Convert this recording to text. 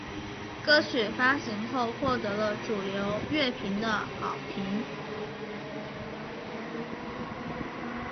歌曲发行后获得了主流乐评的好评。